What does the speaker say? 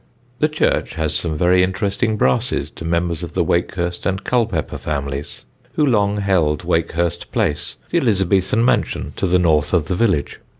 The church has some very interesting brasses to members of the Wakehurst and Culpeper families, who long held Wakehurst Place, the Elizabethan mansion to the north of the village.